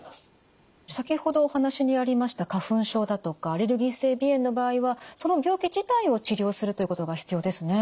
先ほどお話にありました花粉症だとかアレルギー性鼻炎の場合はその病気自体を治療するということが必要ですね。